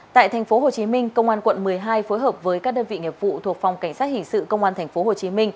tại tp hcm công an quận một mươi hai phối hợp với các đơn vị nghiệp vụ thuộc phòng cảnh sát hình sự công an tp hcm